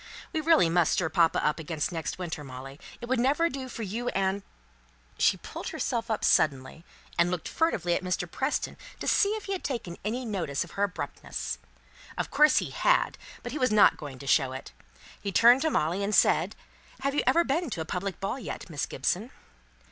We really must stir papa up against next winter, Molly; it will never do for you and " She pulled herself up suddenly, and looked furtively at Mr. Preston to see if he had taken any notice of her abruptness. Of course he had, but he was not going to show it. He turned to Molly, and said, "Have you ever been to a public ball yet, Miss Gibson?"